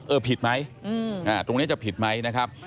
ผิดไหมตรงนี้จะผิดไหมนะครับ